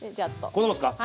こんなもんですか？